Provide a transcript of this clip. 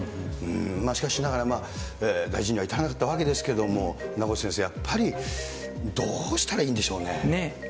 しかしながら、大事には至らなかったわけですけれども、名越先生、やっぱり、どうしたらいいんでしょうね。